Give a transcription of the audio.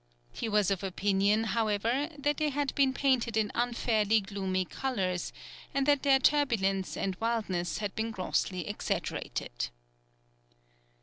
He was of opinion, however, that they had been painted in unfairly gloomy colours, and that their turbulence and wildness had been grossly exaggerated.